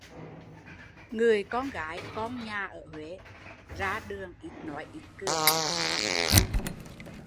Người con gái con nhà ở Huế ra đường ít nói ít cười